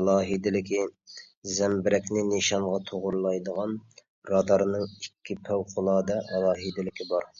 ئالاھىدىلىكى زەمبىرەكنى نىشانغا توغرىلايدىغان رادارنىڭ ئىككى پەۋقۇلئاددە ئالاھىدىلىكى بار.